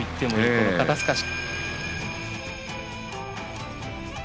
この肩透かし。